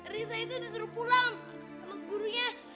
riza itu disuruh pulang sama gurunya